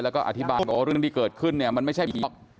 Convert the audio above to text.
แล้วก็อธิบายเขาเรื่องที่เกิดขึ้นมันไม่ใช่ปี๊บ